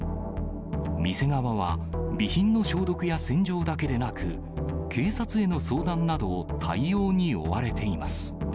店側は、備品の消毒や洗浄だけでなく、警察への相談など、対応に追われています。